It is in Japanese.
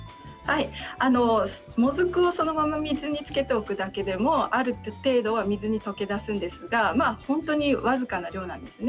もずくをそのまま水につけておくだけでもある程度は水に溶け出すんですが本当に僅かな量なんですね。